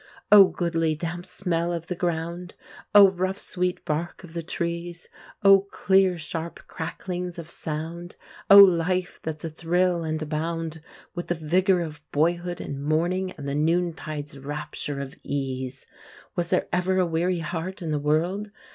O goodly damp smell of the ground! O rough sweet bark of the trees! O clear sharp cracklings of sound! O life that's a thrill and a bound With the vigor of boyhood and morning, and the noontide's rapture of ease! Was there ever a weary heart in the world?